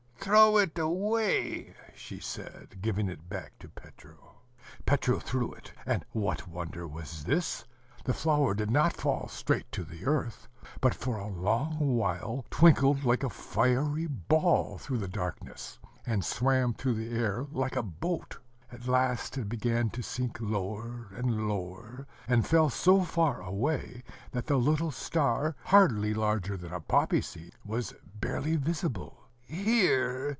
"Throw it away," she said, giving it back to Petro. Petro threw it, and what wonder was this? the flower did not fall straight to the earth, but for a long while twinkled like a fiery ball through the darkness, and swam through the air like a boat: at last it began to sink lower and lower, and fell so far away, that the little star, hardly larger than a poppy seed, was barely visible. "Here!"